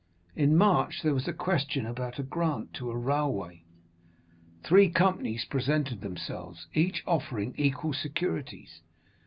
In March there was a question about a grant to a railway. Three companies presented themselves, each offering equal securities.